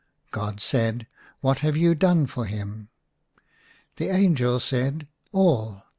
God said, *' What have you done for him?" The angel said, " All